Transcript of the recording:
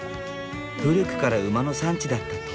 古くから馬の産地だった遠野。